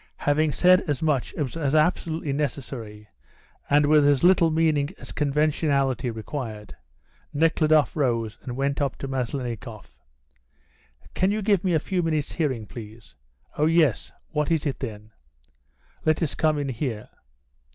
Having said as much as was absolutely necessary, and with as little meaning as conventionality required, Nekhludoff rose and went up to Meslennikoff. "Can you give me a few minutes' hearing, please?" "Oh, yes. Well, what is it?" "Let us come in here."